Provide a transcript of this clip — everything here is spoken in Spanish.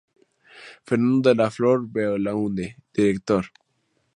Fernando de la Flor Belaúnde, Director.